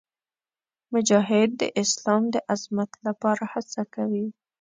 مجاهد د اسلام د عظمت لپاره هڅه کوي.